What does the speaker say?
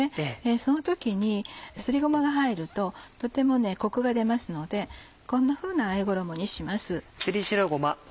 その時にすりごまが入るととてもコクが出ますのでこんなふうなあえ衣にします。